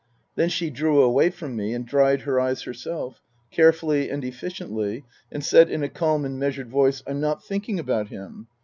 Then she drew away from me and dried her eyes her self, carefully and efficiently, and said in a calm and measured voice : "I'm not thinking about him."